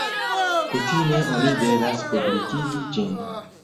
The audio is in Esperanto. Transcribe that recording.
Kutime oni devas publikigi ĝin.